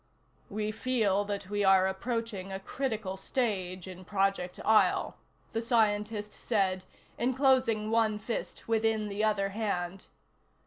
"We feel that we are approaching a critical stage in Project Isle," the scientist said, enclosing one fist within the other hand.